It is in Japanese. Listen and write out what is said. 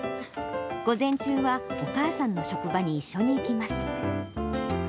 午前中はお母さんの職場に一緒に行きます。